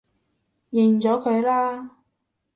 認咗佢啦